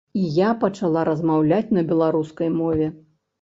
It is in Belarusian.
І я пачала размаўляць на беларускай мове.